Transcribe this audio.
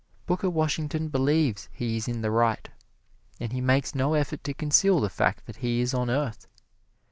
Booker Washington believes he is in the right, and he makes no effort to conceal the fact that he is on earth.